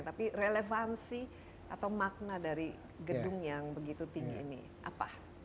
tapi relevansi atau makna dari gedung yang begitu tinggi ini apa